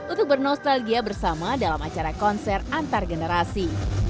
untuk bernostalgia bersama dalam acara konser antargenerasi